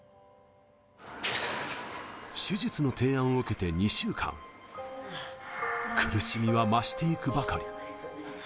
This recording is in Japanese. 手術の提案を受けて２週間、苦しみは増していくばかり。